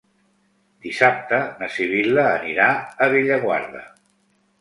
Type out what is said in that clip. Dissabte na Sibil·la anirà a Bellaguarda.